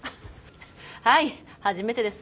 はい初めてです。